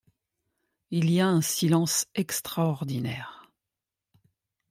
Il y a un silence extraordinaire.